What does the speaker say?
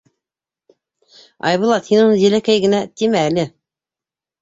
— Айбулат, һин уны Диләкәй генә тимә әле.